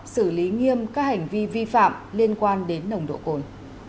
xử lý nghiêm các hành vi vi phạm liên quan đến nồng độ cồn